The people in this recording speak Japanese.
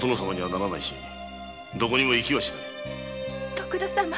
徳田様。